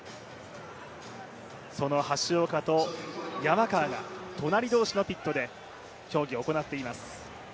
その橋岡と山川が隣同士のピットで競技を行っています。